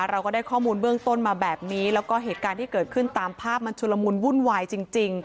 เราก็ได้ข้อมูลเบื้องต้นมาแบบนี้แล้วก็เหตุการณ์ที่เกิดขึ้นตามภาพมันชุลมุนวุ่นวายจริง